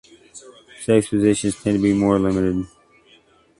Sex positions tend to be more limited.